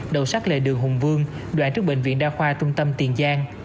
đầu sát lề đường hùng vương đoạn trước bệnh viện đa khoa tâm tâm tiền giang